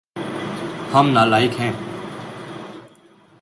ہم نالائق ہیے